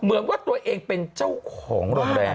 เหมือนว่าตัวเองเป็นเจ้าของโรงแรม